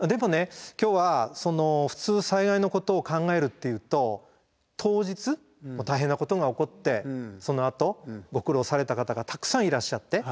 でもね今日は普通災害のことを考えるっていうと当日大変なことが起こってそのあとご苦労された方がたくさんいらっしゃって。